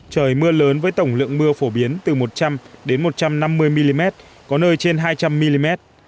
trời mưa lớn với tổng lượng mưa phổ biến từ một trăm linh đến một trăm năm mươi mm có nơi trên hai trăm linh mm